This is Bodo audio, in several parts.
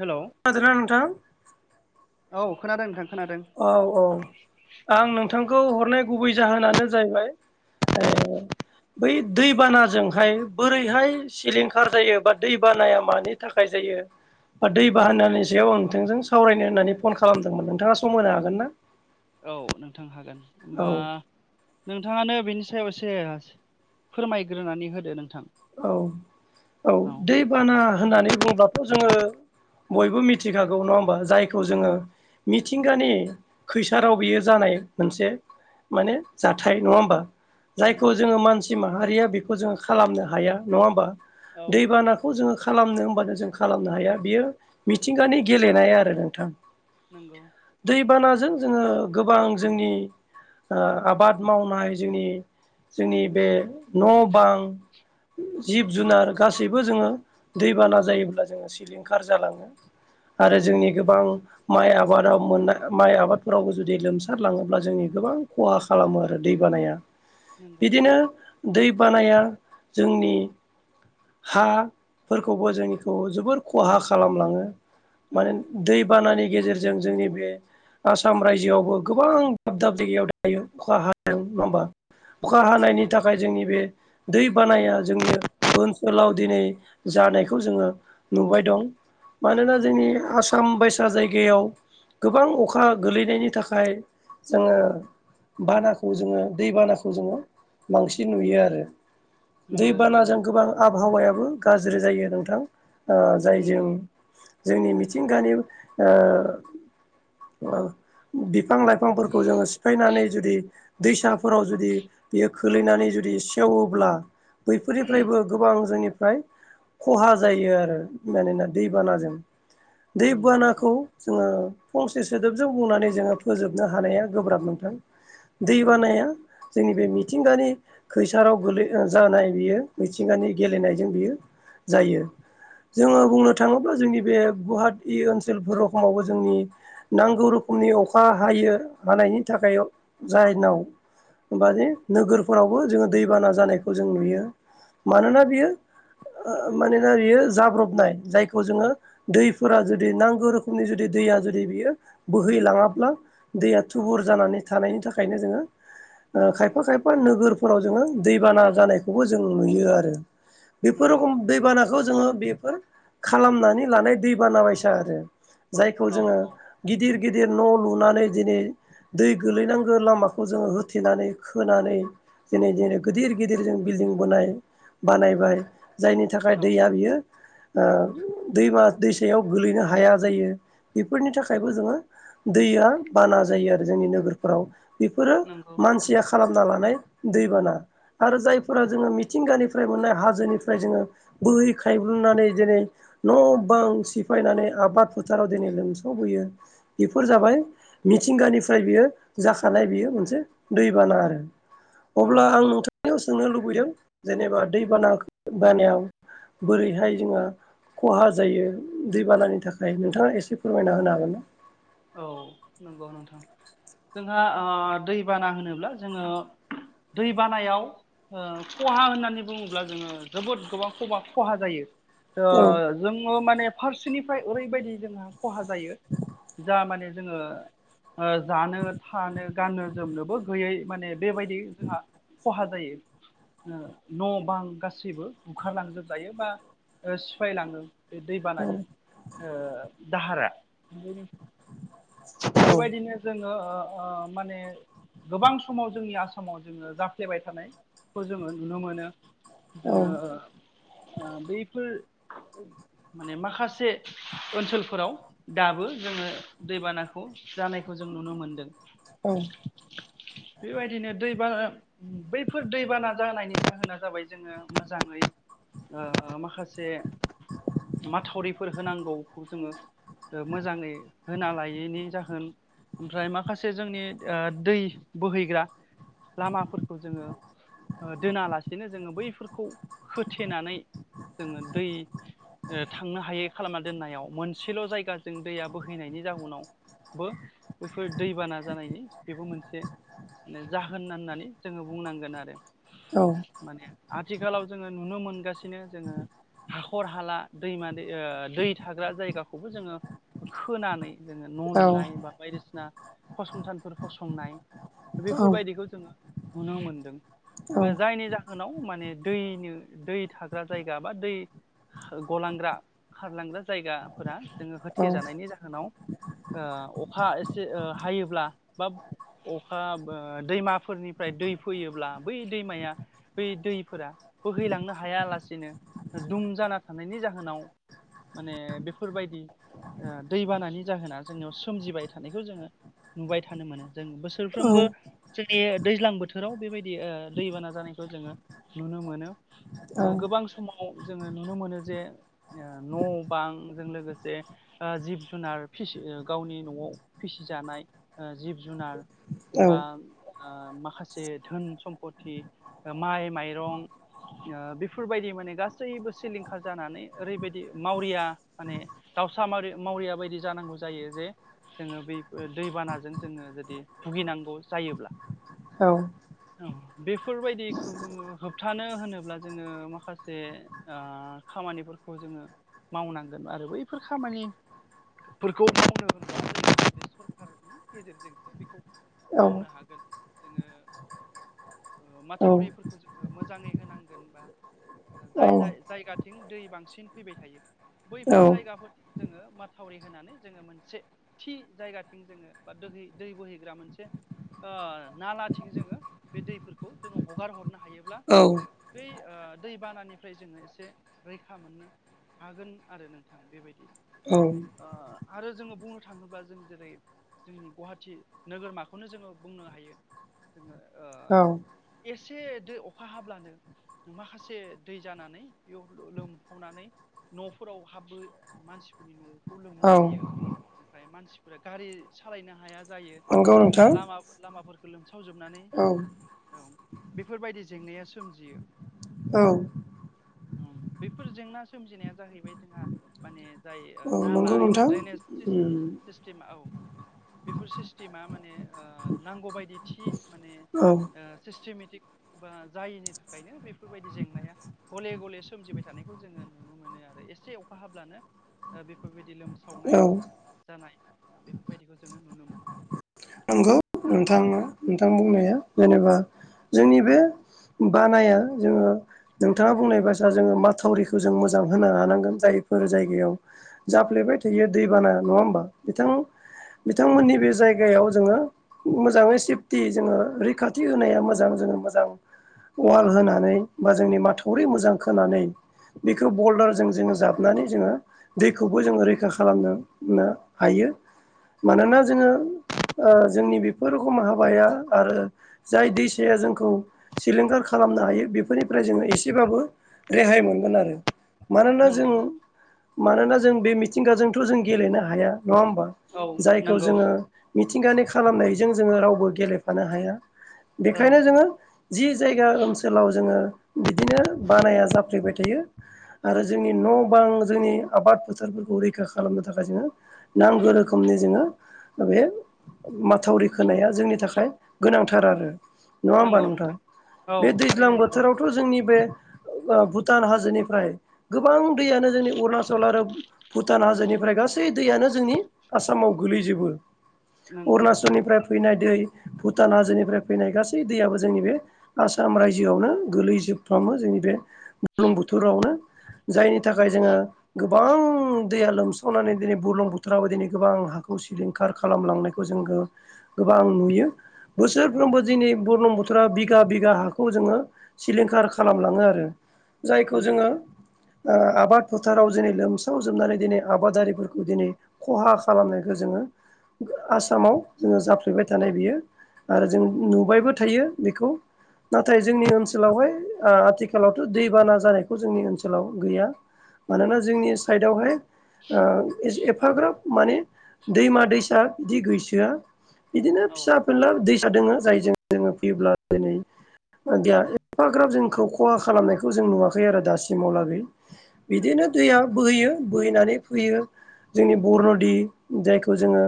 हेलौ खोनादों ना नोंथां? औ खोनादों नोंथां। खोनादों ओ औ, आं नोंथांखौ हरनाय गुबै जाहोनानो जाहैबाय ओ बै दैबानाजोंहाय बोरैहाय सिलिंखार जायो, बा दैबानाया मानि थाखाय जा यो, ओ दै बाहनानि सायाव आं नोंथांजों सावरायनो होननानै फन खालामदोंमोन नोंथाङा स म होनो हागोन ना? औ नोंथां हागोन। औ होमबा नों थाङानो बिनि सायाव एसे फोरमायग्रोनानै होदो नोंथां। औ-औ औ दै बाना होननानै बुङब्लाथ' जोङो बयबो मिथिखागौ, नङा होमबा? जायखौ जोङो मिथिंगानि खैसाराव बियो जानाय मोनसे माने जाथाय नङा होमबा? जायखौ नंगौ जोङो मानसि माहारिया बेखौ जोङो खालामनो हाया, नङा होमबा? औ दैबानाखौ जोङो खालामनो होमबानो जों खालामनो हाया बियो मिथिंगानि गेलेनाय आरो नोंथां। नंगौ। दैबानाजों जोङो गोबां जोंनि ओ आबाद मावनाय जोंनि जोंनि बे न'-बां जिब-जुनार गासैबो जोङो, दैबाना जायोब्ला जोङो सिलिंखार जालाङो। औ आरो जोंनि गोबां माइ आबादाव मोननाय माइ आबादफोरावबो जुदि लोमसारलाङोब्ला जोंनि गोबां, खहा खालामो आरो दैबा नाया नंगौ बिदिनो दै बानाया जोंनि हा फोरखौबो जोंखौ जोबोर खहा खालामलाङो। औ माने दैबानानि गेजेरजों जोंनि बे आसाम राइजो आवबो गोबां दाब अखा हानायनि नंगौ थाखाय जोंनि बे दै बानाया जोंनि ओनसोलाव दिनै जानायखौ जोङो नुबाय दं। मानोना जोंनि आसाम बायसा जायगायाव गोबां अखा गोलैनायनि थाखाय जोङो बानाखौ जोङो दै बानाखौ जोङो बांसिन नुयो आरो। नंगौ औ दैबानाजों गोबां आबहावायाबो गाज्रि जायो नोंथां। ओ जायजों जोंनि मिथिंगानि ओ ओ बि फां लाइफांफोरखौ जोङो सिफायनानै जुदि दैसाफोराव जुदि बियो खोलैनानै जुदि सेवोब्ला बैफोरनिफ्रायबो गोबां जोंनि फ्राय खहा जायो आरो मानोना दैबानाजों। दै नंगौ औ बानाखौ जोङो फंसे सोदोबजों बुंनानै जोङो फोजोबनो हानाया गोब्राब नथां दै नंगौ बानाया जोंनि बे मिथिंगानि खैसाराव गोलै जानाय बियो मिथिंगानि गेलेनायजों बियो जायो। जोङो नंगौ बुंनो थाङोब्ला जोंनि बे गुवाहा ओनसोलफोरखावबो जोंनि नांगौ रोखोमनि अखा हायो हानाय नि थाखाय जायनाव हबे नोगोरफोरावबो जोङो दैबाना जानाय खौ जों नुयो मानोना बियो मानोना बेयो जाब्रबनाय जायखौ जोङो दैफोरा जुदि नांगौ रोखोमनि जुदि दैया जुदि बियो बोहैलाङाब्ला दैया औ थुबुर जानानै थानायनि थाखायनो जोङो खायफा-खायफा नोगोरफोराव जोङो दैबाना जानायखौबो जों नुयो आरो। बेफोर नंगौ रखम दैबानाखौ जोङो बेफोर खालामनानै लानाय दै बाना बायसा आरो। जायखौ औ जोङो औ गिदिर गिदिर न' लुना दिनै दै गोलैनांगौ लामाखौ जोङो होथेनानै खोनानै जै जनो गिदिर गिदिरजों बिल्डिं ब बानायबाय जायनि थाखाय औ दैया बियो ओ दैमा दैसायाव गोलैनो हाया जायो। बेफोरनि थाखायबो जोङो दैया बाना जायो आरो जोंनि नोगोरफोराव। बेफोरो नंगौ मानसिया खालामना लानाय दैबाना आरो जायफोरा जोङो मिथिंगानिफ्राय मोननाय हाजोनिफ्राय जोङो बोहै खायब्लनानै जेरै न' बां सिफायनानै आबाद फोथाराव दिनै लोमसावबोयो बेफोर जाबाय मि थिंगानिफ्राय बियो जाखानाय बेयो मोनसे दैबाना आरो औ अब्ला आं नोंथ नाव सोंनो लुबैदों जेनेबा दै बाना बानायाव बोरैहाय जोङो खहा जायो दैबानानि थाखाय नोंथाङा एसे फोरमायना होनो हागोन ना? औ नंगौ नोंथां जोंहा दैबाना होनोब्ला जोङो दै बानायाव ओ खहा होननानै बुङोब्ला जोङो जोबोद गोबां खबा खहा जायो। ओ औ जोङो माने फारसेनिफ्राय ओरैबायदि जोंहा खहा जायो जा माने जोङो जानो थानो गाननो जोमनोबो गैयै माने बेबायदि जोंहा खहा जायो न' बां गासैबो बुखारलांजोबजायो बा सिफायलाङो बे दैबानानि ओ दाहारा उम बेबायदिनो जों ओ माने गोबां समाव जोंनि आसामाव जोङो जाफ्लेबाय थानाय खौ जोङो नुनो मोनो जोङो औ बैफोर माने माखासे ओनसोलफोराव दाबो जोङो दैबाना खौ जानायखौ जों नुनो मोनदों औ बेबायदिनो दैबाना बैफोर दैबाना जानायनि जाहोना जाबाय जोङो मोजाङै ओ माखासे माथावरिफोर होनांगौखौ जोङो ओ मोजाङै होना लायैनि जोन ओमफ्राय माखासे जोंनि दै बोहैग्रा लामाफोरखौ जोङो ओ दोनालासेनो जोङो बैफोरखौ होथेनानै जोङो दै ओ थांनो हायै खालामना दोननायाव मोनसेल' जायगाजों दैया बोहैनायनि जाउनाव बो बैफोर दैबाना जानायनि बेबो मोनसे माने जाहोन होननानै जोङो बुंनांगोन आरो औ माने आथिखालाव जोङो नुनो मोनगासिनो जोङो हाखर हाला दैमा ओ दै थाग्रा जायगाखौबो जोङो खोनानै जोङो न' लु नाय बा बायदिसिना फसंथानफोर फसंनाय बेफोरबायदिखौ जोङो नुनो मोनदों जायनि ओ जाहोनाव माने दैनो दै थाग्रा जायगा बा दै गलांग्रा खारलांग्रा जायगाफोरा जोङो होथेजानायनि जाहोनाव अखा एसे ओ हायोब्ला बा अखा ओ दैमाफोरनिफ्राय दै फैयोब्ला बै दैमाया बै दैफोरा बोहैलांनो हायालासेनो दुम जाना थानायनि जाहोनाव माने बेफोरबायदि ओ दै बानानि जाहोना जोंनियाव सोमजिबाय थानायखौ जोङो नुबायथानो मोनो जों बोसोरफ्रोमबो जोंनि दैज्लां बोथोर राव बेबायदि ओ दैबाना जानायखौ जोङो नुनो मोनो ओ गोबां समाव जोङो नुनो मोनो जे न' बां जों लोगोसे जिब जुनार फिसि ओ गावनि न'आव फिसिजानाय जिब जुनार बा ओ माखासे धोन सम्पथि माइ माइरं ओ बेफोरबायदि माने गासैबो सिलिंखार जानानै ओरैबायदि मावरिया माने दावसा माव-मावरिया बायदि जानांगौ जायो जे जोङो बे दैबानाजों जोङो जुदि भुगिनांगौ जायोब्ला औ बेफोरबायदिखौ जोङो होबथानो होनोब्ला जोङो माखासे ओ खामानिफोर खौ जोङो मावनांगोन आरो बैफोर खामानि फोरखौ मावनो [unintelligible] सरखारनि गेजेरजोंसो बेखौ मावनो हागोन जोङो ओ औ माथावरिफोरखौ जोङो मोजाङै होनांगोन बा जाय जाय-जायगाथिं दै बांसिन फैबाय थायो बैफोर जायगाफोरथिं जोङो माथावरि होनानै जोङो मोनसे थि जायगाथिं जोङो बोहै बा दै बोहैग्रा मोनसे ओ नालाथिं जोङो बे दैफोरखौ जोङो हगार हरनो हायोब्ला बै ओ दै बानानिफ्राय जोङो एसे रैखा मोननो हागोन आरो नोंथां बेबायदिनो आरो जोङो बुंनो थाङोब्ला जों जेरै जोंनि गुवाहाटि नोगोरमाखौनो जोङो बुंनो हायो जोङो ओ औ एसे दै अखा हाब्लानो माखासे दै जानानै बेयाव लोमफावनानै न'फोराव हाबो मानसिफोरनि न' खौ लोमला होयो ओमफ्राय मानसिफोरा गारि सालायनो हाया जायो नंगौ नोंथां लामाफोरखौ लोमसावजोबनानै औ औ बेफोरबायदि जेंनाया सोमजियो औ। बेफोर जेंना सोमजिनाया जाहैबाय जोंहा माने जाय औ नाला नंगौ एबा नोंथां ड्रेनेज सिस्टेमाव औ बेफोर सिस्टेमा माने ओ नांगौबायायदि थि माने औ ओ सिस्टेमेटिक बा जायिनि थाखायनो बेफोरबायदि जेंनाया गले गले सोमजिबाय थानाय जोङो नुनो मोनो आरो एसे अखा हाब्लानो बेफोरबायदि लोमसावनाय औ जानाय बेफोरबायदिखौ जोङो नुनो मोनो। नंगौ नोंथां नोंथां बुंनाया जेनेबा जोंनि बे बानाया जोङो नोंथाङा बुंनाय बास जोङो माथावरिखौ जों मोजां होनो लानांगोन जायफोर जायगायाव जाफ्लेबाय थायो दैबाना नङा होमबा बिथां बिथांमोननि बे जायगायाव जोङो मोजाङै सेफटि जोङो रैखाथि होनाया मोजां जोङो मोजां औ ववाल होनानै बा जोंनि माथावरि मोजां खोनानै बेखौ बलदारजों जोङो जाबनानै जोङो दैखौबो जोङो रैखा खालामनो हायो। मानोना नंगौ जोङो जोंनि बेफोर खम हाबाया आरो जाय दैाया जोंखौ सिलिंखार खालाम खालामनो हायो बेफोरनिफ्राय जोङो एसेबाबो रेहाय मोनगोन आरो मानोना जों नंगौ नोंथां मानोना जों बे मिथिंगाजोंथ' जों गेलेनो हाया। नङा होमबा औ जायखौ नंगौ जोङो मिथिंगानि खालामनायजों जोङो रावबो गेलेफानो हाया। औ बेखायनो जोङो जि जायगायाव ओनसोलाव जोङो बिदिनो बानाया जाफ्लेबाय थायो आरो जोंनि न' बां जोंनि आबाद फोथारफोरखौ रैखा खालामनो थाखाय जोङो नांगौ रोखोमनि जोङो बे माथावरि खोनाया जोंनि थाखाय गोनांथार आरो नङा होमबा नोंथां? औ बे दैज्लां थारैनो नंगौ बोथोरावथ' जोंनि बे भुटान हाजोनिफ्राय गोबां दैयानो जोंनि अरुणचल आरो भुटान हाजोनिफ्राय ओमफ्राय गासै दैयानो जोंनि आसामाव गोलैजोबो नंगौ अरुणचलनिफ्राय फैनाय दै भुटान हाजोनिफ्राय फैनाय गासै दैयाबो जोंनि बे आसाम रायजोआवनो गोलै जोबफ्रामो जोंनि बे बुरलुंबुथुरावनो जायनि थाखाय जोङो गोबां दैया लोमसावनानै दिनै बुरलुं बोथोराव दिनै गोबां हा खौ सिलिंखार खालामलांनायखौ जोङो गोबां नुयो। औ बोसोरफ्रोमबो दिनै बुरलुंबुथुरा बिगा बिगा हाखौ जोङो सिलिंखार खालामलाङो आरो जायखौ नंगौ जोङो आबाद फोथाराव दिनै लोमसाव जोबनानै दिनै आबादारिफोरखौ दिनै खहा खालामनायखौ जोङो आसामाव जोङो जाफ्लेबाय थानाय बियो आरो जों नुबायबो थायो बेखौ नाथाय जोंनि ओनसोलावहाय आथिखालावथ' दैबाना जानायखौ जोंनि ओनसोलाव गैया। मानोना जोंनि साइडआवहाय ओ एफाग्राब माने दैमा दैसा बिदि गैसोआ बिदिनो औ फिसा फिला दैसा दोङो जायजों जोङो फैयोब्ला दिनै एफाग्राब जोंखौ खहा खालामनायखौ जों नुवाखै आरो दासिमावलागै बिदिनो नंगौ दैया बोहैयो बोहैनानै फैयो जोंनि बरनदि जायखौ जोङो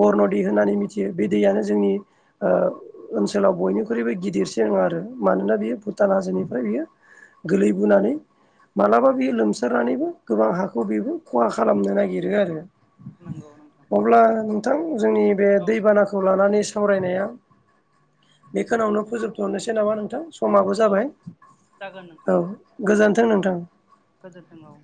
बरन' दै होननानै मिथियो बे दैयानो जोंनि ओनसोलाव बयनिखुइ ख्रुइबो गिदिरसिन आरो मानोना बियो भुटान हाजोनिफ्राय बियो गोलैबोनानै मालाबा बेयो लोमसारनानैबो गोबां हाखौ बेबो खहा खालामनो नागिरो आरो नंगौ नोंथां अब्ला नोंथां जोंनि बे औ दैबानाखौ लानानै सावरायनाया बेखौनावनो फोजोबथ'नोसै नामा नोंथां समाबो औ जाबाय जागोन नोंथां औ गोजोनथों नोंथां गोजोन्थों औ